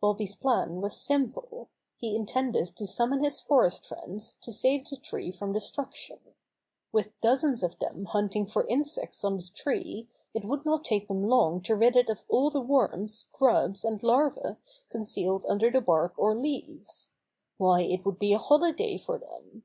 Bobby's plan was simple. He intended to summon his forest friends to save the tree from destruction. With dozens of them hunting for insects on the tree, it would not take them long to rid it of all the worms, grubs and larvae concealed under the bark or leaves. Why, it would be a holiday for them!